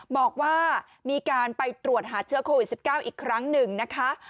บอกว่ามีการไปตรวจหาเชื้อโควิด๑๙อีกครั้งหนึ่งนะคะ